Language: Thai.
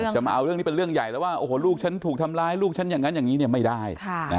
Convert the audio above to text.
จะมาเอาเรื่องนี้เป็นเรื่องใหญ่แล้วว่าโอ้โหลูกฉันถูกทำร้ายลูกฉันอย่างนั้นอย่างนี้ไม่ได้